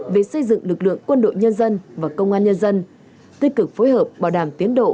về xây dựng lực lượng quân đội nhân dân và công an nhân dân tích cực phối hợp bảo đảm tiến độ